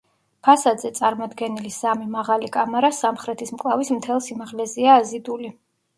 ფასადზე წარმოდგენილი სამი მაღალი კამარა სამხრეთის მკლავის მთელ სიმაღლეზეა აზიდული.